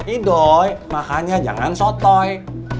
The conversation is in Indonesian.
idoi makanya jangan sotoy